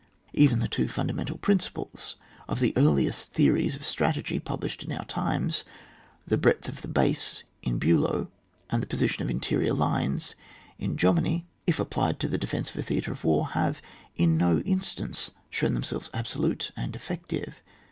Even the two fundamental principles of the earliest theories of strategy published in our times, the Breadth of the Rase, in Bulow, and the Position on Interior Lines^ in Jomini, if applied to the defence of a theatre of war, have in no instance shown themselves absolute and effective.